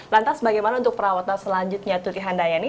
lantas bagaimana untuk perawatan selanjutnya tuti handayani